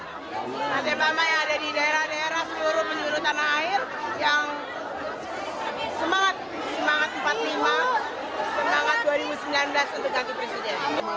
partai mama yang ada di daerah daerah seluruh penjuru tanah air yang semangat empat puluh lima semangat dua ribu sembilan belas untuk ganti presiden